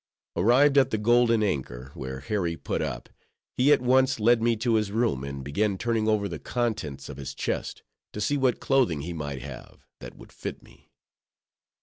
Arrived at the Golden Anchor, where Harry put up, he at once led me to his room, and began turning over the contents of his chest, to see what clothing he might have, that would fit me.